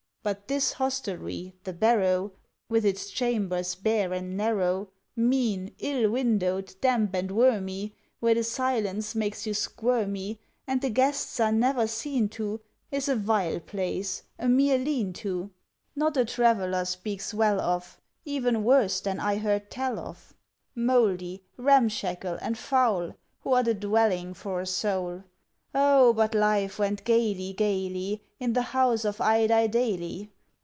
But this hostelry, The Barrow, With its chambers, bare and narrow, Mean, ill windowed, damp, and wormy, Where the silence makes you squirmy, And the guests are never seen to, Is a vile place, a mere lean to, Not a traveller speaks well of, Even worse than I heard tell of, Mouldy, ramshackle, and foul. What a dwelling for a soul! Oh, but life went gayly, gayly, In the house of Idiedaily!